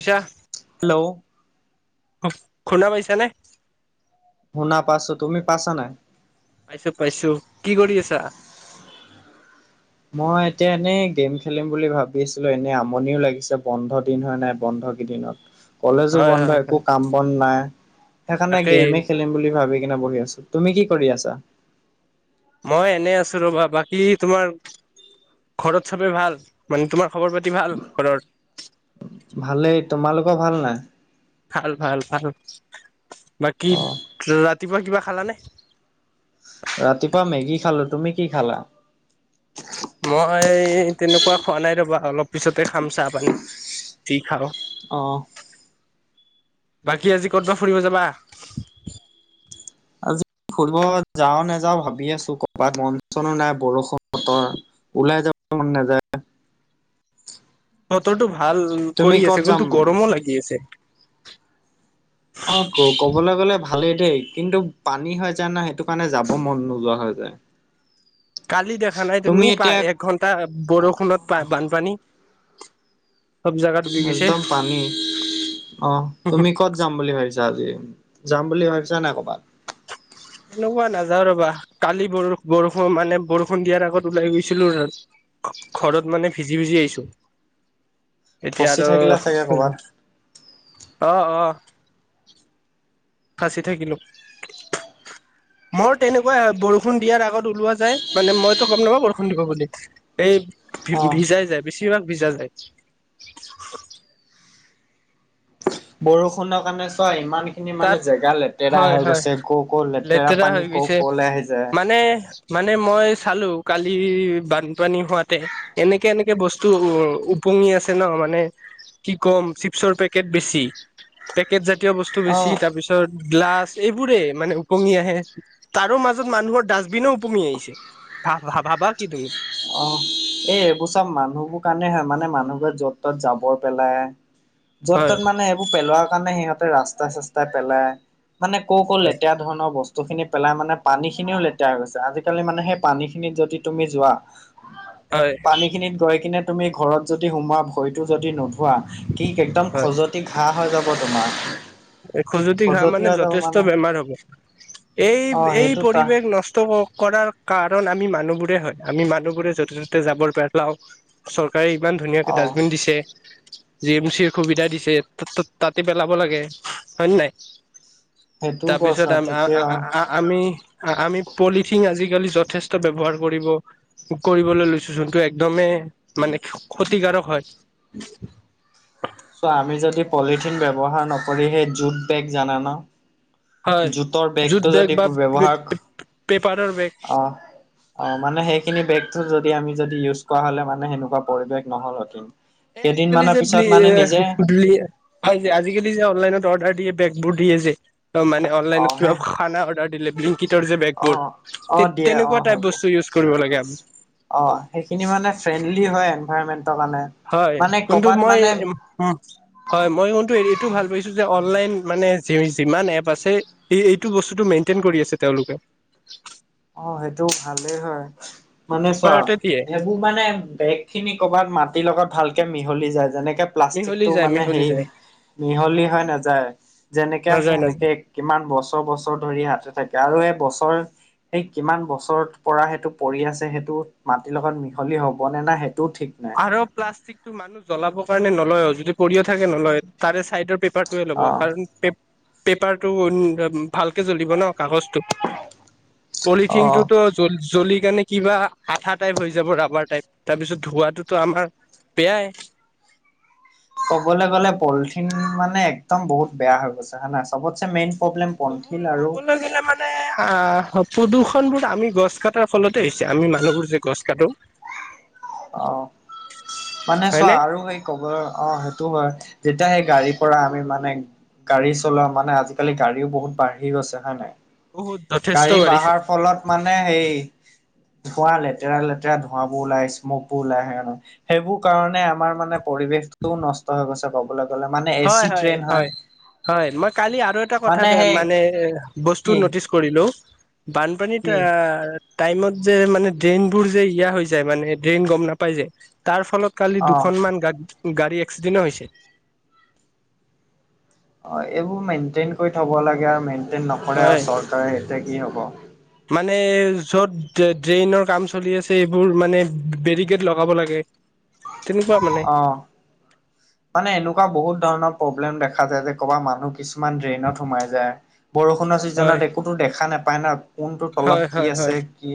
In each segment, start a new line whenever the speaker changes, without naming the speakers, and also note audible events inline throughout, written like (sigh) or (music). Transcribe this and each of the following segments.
থিয়া
hello,
(unintelligible) শুনা পাইছা নে?
শুনা পাচো তুমি পাছা নাই?
পাইছোঁ - পাইছোঁ কি কৰি আছা?
মই এতিয়া এনেই গেম খেলিম বুলি ভাবি আছিলোঁ এনে আমনিও লাগিছে বন্ধ দিন হয় নাই বন্ধ দিনত কলেজো
হয়
বন্ধ
হয়
একো
হয়
কাম বন নাই সেইকাৰণে
তাকেই
গেমে খেলিম বুলি ভাবি কিনে বহি আছো তুমি কি কৰি আছা?
মই এনে আছো ৰবা বাকী তোমাৰ ঘৰত চবে ভাল মানে তোমাৰ খবৰ পাতি ভাল ঘৰৰ?
ভালেই তোমালোকৰ ভাল নাই?
ভাল -ভাল-ভাল বাকী
অ
ৰাতিপুৱা কিবা খালানে?
ৰাতিপুৱা মেগী খালো তুমি কি খালা?
মই তেনেকুৱা খোৱা নাই ৰ'বা অলপ পিছতে খাম চাহ -পানী যি খাওঁ।
অ',
বাকী আজি ক'তবা ফুৰিব যাবা?
আজি ফুৰিব যাও নাযাওঁ ভাবি আছোঁ কবাত মন চনো নাই বৰষুণ বতৰ। ওলাই যাব মন নেযায়।
বতৰটো ভাল
তুমি
কৰি
ক'ত
আছে কিন্তু
যাম
গৰমো লাগি আছে।
অ', ক', - ক'বলৈ গ'লে ভালেই দেই, কিন্তু পানী হৈ যায় না সেইটো কাৰণে যাব মন নোযোৱা হৈ যায়',
কালি দেখা নাই তুমি পা', এক ঘন্টা বৰষুণত পা', - বানপানী', চব জাগাত ডুবি
পিইইইইই',
গৈছে
একদম পানী পিইইইইইই', অ', তুমি কত যাম বুলি ভাবিছা আজি? যাম বুলি ভাবিছা নাই কবাত?
তেনেকুৱা নাযাওঁ ৰবা, কালি বৰ', - বৰষুণ মানে বৰষুণ দিয়াৰ আগত ওলাই গৈছিলোঁ', ঘৰত মানে ভিজি - ভিজি আহিছোঁ', এতিয়া
ফচি
আৰু,
থাকিলা চাগে ক'বাত
উম', অ', - অ', ফাঁচি থাকিলোঁ', মোৰ তেনেকুৱা আৰু বৰষুণ দিয়াৰ আগত ওলোৱা যায়, মানে মইতো গম নাপাওঁ বৰষুণ দিব বুলি', এই, ভি',
অ
-ভি', - ভিজাই যায়, বেছিভাগ ভিজা যায়',
বৰষুণৰ কাৰণে চোৱা ইমান', খিনি মানে
তাত
জেগা লেতেৰা
হয়
হৈ
হয়
গৈছে, কৈ', -কৈ', লেতেৰা পানী
হৈ
কৈ',
গৈছে
- কৈ'লৈ আহি যায়',
মানে', মানে মই চালোঁ, কালি বানপানী হোৱাতে', এনেকে-এনেকে বস্তু ও', - ওপঙি আছে ন মানে', কি ক'ম, চিপছৰ পেকেট বেছি, পেকেট জাতীয় বস্তু
অ
বেছি তাৰপিছত', তোৰ গ্লাছ এইবোৰে মানে ওপঙি আহে', তাৰো মাজত মানুহৰ ডাষ্টবিনো ওপঙি আহিছে, ভা', -ভাব', -ভাবা কি তুমি',
অ', পিইইই', এই এইবোৰ চব মানুহবোৰ কাৰণে হয় মানে মানুহবোৰে য'ত ত'ত' জাবৰ পেলাই', য'ত
হয়
ত'ত মানে সেইবোৰ পেলোৱাৰ কাৰণে সিহঁতে ৰাস্তাই-চস্তাই পেলাই, মানে কৈ', - কৈ',
হয়
লেতেৰা', ধৰণৰ বস্তুখিনি পেলাই মানে পানীখিনিও লেতেৰা হৈ গৈছে, আজিকালি মানে সেই পানীখিনিত যদি তুমি যোৱা',
হয়',
পানীখিনিত গৈ কিনে তুমি ঘৰত যদি সোমোৱা, ভৰিটো যদি নোধোৱা কি একদম
হয়
খজুৱতি', ঠিক, ঘাঁহ হৈ যাব তোমাৰ',
এই খজুৱতি ঘাঁহ
খজতি
মানে
হৈ যাব
যথেষ্ট
মানে
বেমাৰ হ'ব', এই
অ
- এই
সেইটো তা
পৰিৱেশ নষ্ট ক', - কৰাৰ', কাৰণ আমি মানুহবোৰে হয়, আমি মানুহবোৰে য'তে ত'তে যাব পেলাওঁ', চৰকাৰে ইমান ধুনীয়াকে
অ
ডাষ্টবিন দিছে', জি এম চিৰ সুবিধা দিছে, তা', -তা', - তাতে পেলাব লাগে, হয় নে নাই',
সেইটোও কৈছ
তাৰপিছত আমি', - আ',
ঠিকেই
- আ',
অ
- আ', - আ', আমি, আ', - আমি পলিথিন আজিকালি যথেষ্ট ব্যৱহাৰ কৰিব', কৰিবলৈ লৈছোঁ যোনটো একদমেই মানে ক্ষ', -ক্ষতিকাৰক হয়',
চোৱা আমি যদি পলিথিন ব্যৱহাৰ নকৰি, সেই জুট বেগ জানা ন?
হয়
জুটৰ
জুট
বেগটো
বেগ
যদি
বা
ব্যৱহাৰ',
পেপাৰৰ বেগ',
অহ', অ', মানে সেইখিনি বেগটো যদি আমি যদি ইউজ কৰা হ'লে মানে সেনেকুৱা পৰিৱেশ নহ'ল হতিন',
এই আজিকালি
কেইদিনমানৰ
যে
পিছত
ব্লি
মানে
এই
নিজে
ব্লি এ', সেই যে আজিকালি যে অনলাইনত অৰ্ডাৰ দিয়ে বেগবোৰ দিয়ে যে', ত মানে
অ
অনলাইনত
হে
কিবা খা', - খানা অৰ্ডাৰ দিলে ব্লিংকিটৰ যে
অ
বেগবোৰ',
অ
তে', -
দিয়ে অ
তেনেকুৱা টাইপ
হৈ
বস্তু ইউজ কৰিব লাগে আমি',
অ', সেইখিনি মানে ফ্ৰেণ্ডলি হয় এনভাইৰণমেন্টৰ কাৰণে',
হয়
মানে
কিন্তু
ক'বাত
মই এ',
মানে
উম', হয়', মই কিন্তু এইটো ভাল পাইছোঁ যে অনলাইন মানে যি', - যিমান এপ আছে', এই', - এইটো বস্তুটো মেইনটেইন কৰি আছে তেওঁলোকে',
অ', সেইটো ভালেই হয়, মানে চোৱা,
পেপাৰতে দিয়ে
ইয়াত', এইবোৰ মানে বেগ খিনি কৰ'বাত মাটি লগত ভালকে মিহলি যায় যেনেকে',
মিহলি
প্লাষ্টিকটো
যায়
মানে
মিহলি
হেৰি,
যায়
মিহলি হৈ নাযায়, যেনেকে আছে
নাযায় নাযায়
সেনেকে', কিমান বছৰ - বছৰ ধৰি ইয়াতে থাকে আৰু এই বছৰ', সেই কিমান বছৰ পৰা সেইটো পৰি আছে সেইটো মাটিৰ লগত মিহলি হ'ব নে না সেইটোও ঠিক নাই',
আৰু প্লাষ্টিকটো মানুহ জ্বলাবৰ কাৰণে নলয় অ যদি পৰিও থাকে নলয় তাৰে চাইডৰ পেপাৰ টোৱে ল'ব
অ
কাৰণ পে পেপাৰটো। ভালকে জ্বলিব ন কাগজটো
অ
পলিথিনটোতো। জ জ্বলি কাৰণে কিবা আঠা টাইপ হৈ যাব ৰাবাৰ টাইপ তাৰপিছত ধোৱাটো। ত আমাৰ বেয়াই।
ক'বলে গলে পলিথিন মানে একদম বহুত বেয়া হৈ গৈছে হয় নাই চবতে মেইন প্ৰব্লেম। পলিথিন
কবুল
আৰু
কবল গলে মান। আহ প্ৰদূষণ বোৰ আমি গছ কটাৰ ফলতে হৈছে আমি মানুহবোৰ যে গছ কাটো। (inaudible)
অ মানে চোৱা
হয়নে
আৰু এই। কব অ সেইটো হয় যেতিয়া সেই গাড়ীৰ পৰা আমি মানে। গাড়ী চলোৱা মানে আজিকালি গাড়ীও বহুত বাঢ়ি গৈছে হয় নাই।
বহুত যথেষ্ট
গাড়ী
বাঢ়িছে
বাঢ়াৰ ফলত। মানে সেই ধুৱা লেতেৰা লেতেৰা ধোঁৱাবোৰ ওলাই। মপো ওলাই আহে ন সেইবোৰ কাৰণে আমাৰ মানে পৰিৱেশটোও ন ষ্ট হৈ গৈছে কবলৈ গ'লে মানে এ চি ট্ৰেইন হয়।
হয় মই কালি আৰু এটা কথা মানে বস্তু
কি
নটিছ। কৰিলো
কি
বানপানীত। টাইমত যে মানে ড্ৰেইনবোৰ যে ইয়া হৈ যায় মানে ড্ৰেইন গম নাপাই যায় তাৰ ফলত। কালি
অ
দুখনমান গা গাড়ী এক্সিডেন্ট হৈছে।
অ এইবোৰ মেইনটেইন কৰি থব লাগে আৰু মেইনটেইন নকৰে আও
হয়
চৰকাৰে সেতিয়া কি হ'ব।
মানে য'ত ড্ৰেইনৰ কাম চলি আছে এইবোৰ মানে বেৰিকেড লগাব লাগে। তেনেকুৱা মানে।
অ। মানে এনেকুৱা বহুত ধৰণৰ প্ৰব্লেম দেখা যায় যে ক'ৰবাত মানুহ কিছুমান ড্ৰেইনত সোমাই যায় বৰষুণৰ
হয়
ছিজনত একোতো দেখা নাপায় ন কোনটো
হয়
তলত কি
হয়
আছে কি।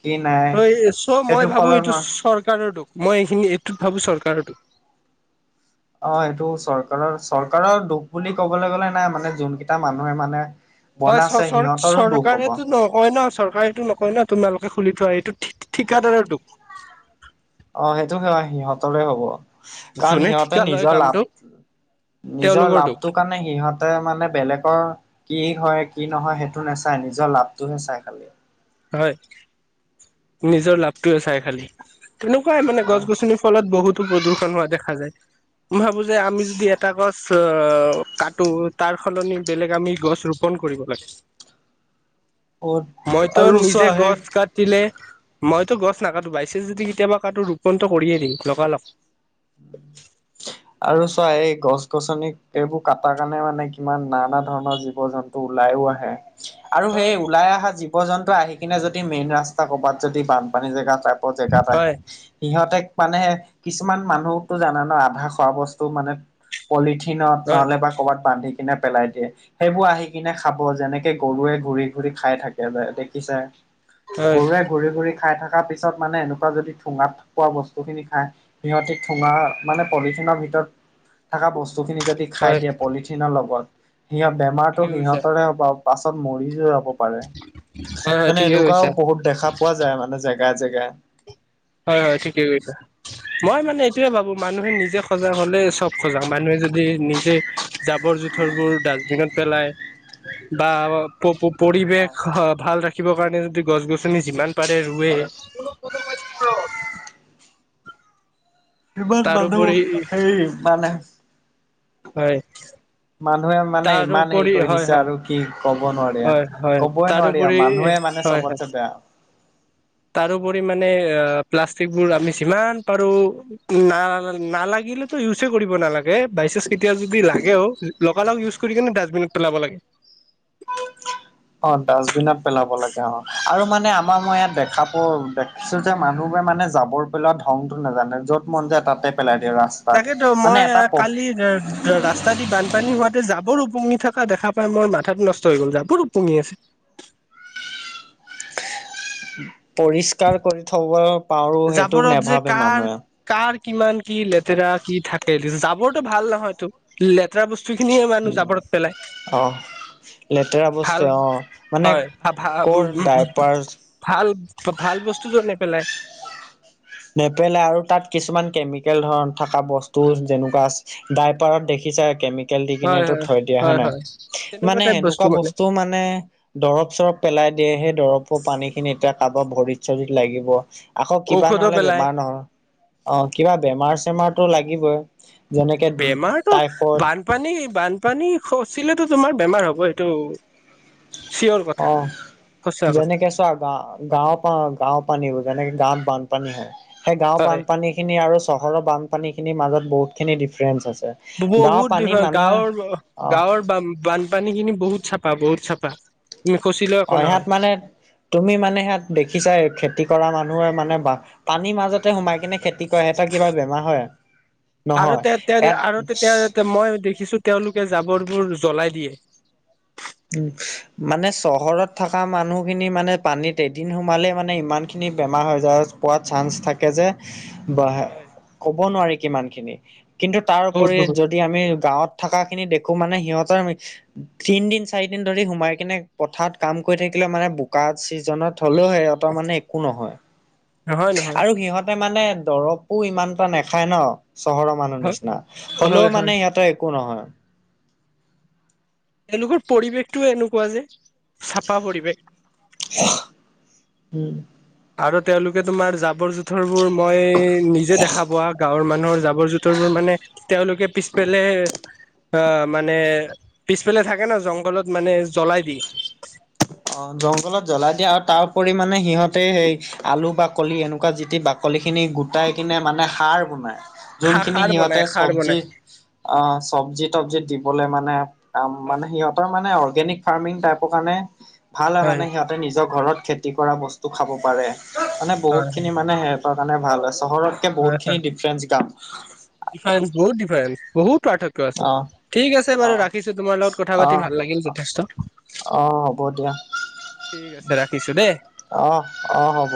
কি নাই
হয় চ
সেইটো
মই ভাবো
ফলত
এইটো চৰকাৰ দুখ মই এইখিনি এইটোত ভাবো চৰকাৰৰ দুখ
অ এইটো চৰকাৰৰ চৰকাৰৰ দুখ বুলি ক'বলে গ'লে নাই মানে যোনকেইটা মানুহে মানে
হয় চ
বনাইছে
চৰ
সিহঁতৰো দুখ হব
চৰকাৰেটো নকয় ন চৰকাৰটো ন। ক ন তোমালোকে খুলি থোৱা এইটো ঠি ঠি ঠিকাদাৰ দুখ।
অ সেইটো সেয়া সিহঁতৰে হব। কাৰণ
যোনে
সিহঁতে
ঠিকা লয়
নিজৰ
কামটো
লাভ নিজৰ
তেওঁলোকৰ দুখ
লাভটোৰ কাৰণে সিহঁত। তে মানে বেলেগৰ কি হয় কি নহয় সেইটো নেচাই নিজৰ লাভটোহে চাই খালি।
হয় নিজৰ লাভটোয়ে চাই খালি তেনেকুৱাই মানে গছ গছনি। ফলত বহুতো প্ৰদূষন হোৱা দেখা যায় মই ভাবো যে আমি যদি এটা গছ। অ কাটো তাৰ সলনি বেলেগ আমি গছ ৰোপন কৰিব লাগে।
অ',
মইতো
আৰু
নিজে
চোৱা সেই
গছ কাটিলে মইতো গছ নাকাটো বাইছে যদি কেতিয়াবা কাটো ৰোপণটো কৰিয়ে দিঙ লগা লগ
আৰু চোৱা এই গছ গছনি এইবোৰ কাটাৰ কাৰণে মানে কিমান নানা ধৰণৰ জীৱ জন্তু তো ওলায়ো আহে আৰু সেই
হয়
ওলাই অহা জীৱ জন্তু আহি কিনে যদি মেইন ৰাস্তা কৰবাত যদি বানপানী জেগাত জেগাত
হয়
আহে সিহঁতে মানে কিছুমান মানুহ জানে না খোৱা বস্তু মানে পলিথিনত
হয়
নহ'লে বা ক'ৰবাত বান্ধি কিনে পেলাই দিয়ে। সেইবোৰ আহি কিনে খাব যেনেকে গৰুৱে ঘূৰি ঘুৰি খাই থাকে যে দেখিছাই
হয়
গৰুৱে ঘূৰি ঘুৰি খাই থকা পিছত মানে এনেকুৱা যদি ঠোঙাত পোৱা বস্তু খিনি খাই সিহঁতি থোঙা মানে পলিথিনৰ ভিতৰত থকা বস্তুখিনি যদি খাই
হয়
দিয়ে পলিথিনৰ লগত সিহত বেমাৰতো
ঠিকে কৈছা
সিহঁতৰে হব পাছত মৰি যে যাব পাৰে
হয় হয় ঠিকে
মানে এনেকুৱাও
কৈছা
বহুত দেখা পোৱা যায় মানে জেগাই জেগাই
হয় হয় ঠিকেই কৈছা মই মানে এইটোয়ে ভাবো মানুহে নিজে সজাগ হলে চব সজা মানুহে যদি নিজে জাবৰ জোথৰ বোৰ ডাষ্টবিনত পেলাই। বা পৰিৱেশ ভাল ৰাখিবৰ কাৰণে যদি গছ গছনি যিমান পাৰে ৰুৱে। উ (unintelligible) অ',
সিমান মানুহ
তাৰোপৰি
হেৰি মানে।
হয়।
মানুহে মানে ইমান হেৰি
তাৰোপৰি
কৰি
হয়
দিছে
হয়
আৰু কি কব নোৱাৰি
হয় হয়
কবই নোৱাৰি
তাৰোপৰি
মানুহে মানে মানে
হয় হয়
চবতছে বেয়া।
তাৰোপৰি মানে প্লাষ্টিকবোৰ আমি যিমান পাৰো ন নালাগিলে ইউজে কৰিব নালাগে বাইচাঞ্চ কেতিয়া যদি লাগেও লগা লগ ইউজ কৰি কিনে ডাষ্টবিনত পেলাব লাগে।
অ, ডাষ্টবিনত পেলাব লাগে অ, আৰু মানে আমাৰ মই ইয়াত দেখা প পি যে মানুহবে মানে যাবৰ পেলোৱা ধংটো নাজানে য'ত মন যায় তাতে পেলাই দিয়ও ৰাস্তা
তাকেতো মই কালি ৰাস্তা দি বানপানী হোৱাতে জাবৰ ওপঙি থকা দেখা পাই মই মাথাতটো নষ্ট হৈ গ'ল জাবৰ ওপঙি আছে।
পৰিষ্কাৰ কৰি থব পাৰো সেইটো
জাবৰত যে
নাভাবে
কাৰ
মানুহে।
কাৰ কিমান কি লেতেৰা কি থাকে যাবৰটো ভাল নহয়তো ল লেতেৰা বস্তু খিনিয়ে মানুহ জাবৰত পেলায়।
অ', লেতেৰা বস্তু
ভাল
অ মানে
হয় ভ ভ
কৰ
(unintelligible)
ডাইপাৰ
ভাল - ভাল বস্তুটো নেপেলাই।
নেপেলাই আৰু তাত কিছুমান কেমিকেল ধৰণ থকা বস্তু যেনেকুৱা আছে। ডাইপাৰত দেখিছে কে কেল দি কিনে
হয় হয়
থৈ দিয়া হে
হয়
নাই
হয়
মানে সেনেকুৱা বস্তু মানে দৰব চৰব পেলাই দিয়ে সেই দৰবৰ পানীখিনি এতিয়া কাৰোবাক ভৰিত চৰিত লাগিব। আকৌ কিবা
ঔষধো
নহলে
পেলাই
বেমাৰ নহল, অ, কিবা বেমাৰ চেমাৰতো লাগিবই। যেনেকে
বেমাৰতো
টাইফইড।
বানপানী - বানপানী খচিলেতো তোমাৰ বেমাৰ হ'ব সেইটো চিয়ৰ
অ
কথা সচা কথা।
যেনেকে গা- গাঁওৰ গাওৰ পানীবোৰ যেনেকে গাঁৱত বানপানী হয় সেই গাঁওৰ
হয়
বানপানী খিনি আৰু চহৰৰ বানপানী খিনিৰ মাজত বহুতখিনি ডিফাৰেন্ঞ্চ আছে। গাঁৱৰ
বহুত
পানী মানুহে
গাঁৱৰ -
অ
গাঁৱৰ বানপানী খিনি বহুত চাপা বহুত চাপা তুমি কৈছিলা
অ, সিহাত মানে তুমি মানে সিহাত দেখিছাই খেতি কৰা মানুহে মানে পানীৰ মাজতে সোমাই কিনে খেতি কৰে, সিহঁতৰ কিবা বেমাৰ হয়?
আৰু
নহয়
তে-তে
ইয়াত
আৰু তেতিয়া মই দেখিছো তেওঁলোকে জাবৰবোৰ জ্বলাই দিয়ে।
উম, মানে চহৰত থকা মানুহখিনি মানে পানীত এদিন সোমালে মানে ইমান খিনি খিনি বেমাৰ হৈ যায়। পোৱাৰ চান্স থাকে যে,
হয়
কব নোৱাৰি কিমান খিনি কিন্ত তাৰ
বহুত
উপৰি
বহুত
যদি দি আমি গাঁৱত থকা খিনি দেখো মানে সিহঁতৰ তিন দিন চাৰি দিন ধৰি সোমাই কিনে পথাৰত কাম কৰি থাকিলে মানে বোকা ছিজনত হ'লেও হে মানে একো নহয়।
নহয়-নহয়।
আৰু সিহঁতে মানে দৰৱো ইমান এটা নাখায় ন, চহৰৰ মানুহ
হয়
নিচিনা হলেও
হয় হয়
মানে সিহঁতৰ একো নহয়।
তেওঁলোকৰ পৰিৱেশটো এনেকুৱা যে, চাফা পৰিৱেশ।
উম,
আৰু তেওঁলোকে তোমাৰ জাবৰ জোথৰ বোৰ মই নিজে দেখা পোৱা গাঁৱৰ মানুহৰ জাব জৰ জোতৰবোৰ মানে তেওঁলোকে পিছফালে অ, মানে পিছফালে থাকে ন জংঘলত মানে জ্বলাই দিয়ে।
অ', জংঘলত জ্বলাই দিয়া আৰু তাৰ পৰি মানে সিহঁতে সেই আলু বাকলি এনেকুৱা যিটি বাকলিখিনি গোটাই কিনে মানে সাৰ বনায়।
খা
যোনখিনি
খাৰ বনাই
সিহঁতে
খাৰ বনাই
চব্জি অ', চবজি তবজি দিবলে মানে কাম মানে
হয়
সিহঁত সিহঁতৰ মানে অৰ্গেনিক ফাৰ্মিং টাইপৰ কাৰণে ভাল হয় মানে সিহঁত নিজৰ ঘৰত খেতি কৰা বস্তু খাব পাৰে মানে
হয়
বহুত
হয়
খিনি মানে ৰ কাৰণে ভাল হয় চহৰতকে বহুত খিনি ডিফাৰেন্ঞ্চ গাম
ডিফাৰেন্স বহুত ডিফাৰেন্স বহুত পৰ্থক আছে
অ'।
ঠিক আছে
অ
বাৰু ৰাখিছো তোমাৰ লগত কথা
অ
পাতি ভাল লাগিল যথেষ্ট।
অ', হ'ব দিয়া।
ঠিক আছে ৰাখিছো দেই।
অ'-অ', হ'ব।